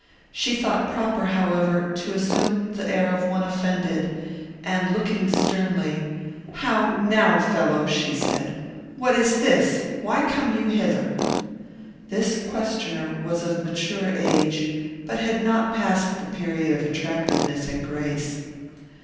She thought proper, however, to assume the air of one offended, and, looking sternly, "How now, fellow," said she, "what is this? Why come you hither?" This questioner was of mature age, but had not passed the period of attractiveness and grace.